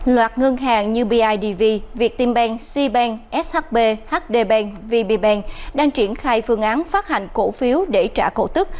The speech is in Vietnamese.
loạt ngân hàng như bidv viettimbank cbank shb hdbank vbbank đang triển khai phương án phát hành cổ phiếu để trả cổ tức